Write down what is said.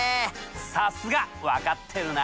さすが分かってるな。